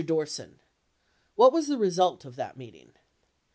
Dorset*. What was the result of that meeting?